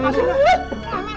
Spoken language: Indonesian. mbak masud maksa banget sih